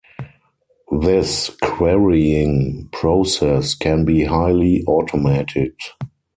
This querying process can be highly automated.